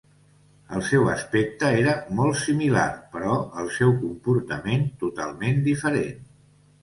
El seu aspecte era molt similar, però el seu comportament totalment diferent.